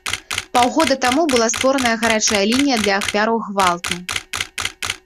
Паўгода таму была створаная гарачая лінія для ахвяраў гвалту.